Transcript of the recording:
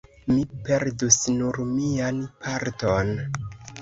mi perdus nur mian parton.